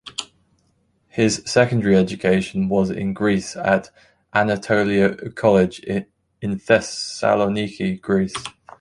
His secondary education was in Greece at Anatolia College in Thessaloniki, Greece.